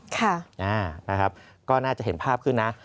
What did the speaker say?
ค่ะอ่านะครับก็น่าจะเห็นภาพขึ้นนะ